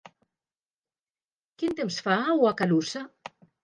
Quin temps fa a Wakarusa?